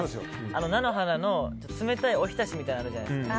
菜の花の冷たいお浸しみたいなのあるじゃないですか。